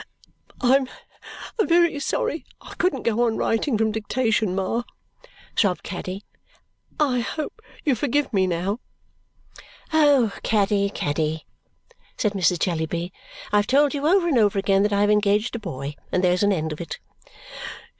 "I am very sorry I couldn't go on writing from dictation, Ma," sobbed Caddy. "I hope you forgive me now." "Oh, Caddy, Caddy!" said Mrs. Jellyby. "I have told you over and over again that I have engaged a boy, and there's an end of it."